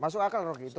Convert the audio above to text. masuk akal rocky